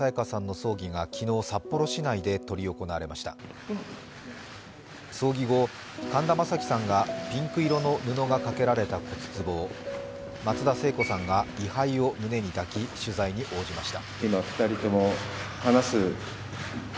葬儀後、神田正輝さんがピンク色の布がかけられた骨つぼを松田聖子さんが位牌を胸に抱き取材に応じました。